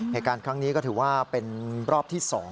เหตุการณ์ครั้งนี้ก็ถือว่าเป็นรอบที่๒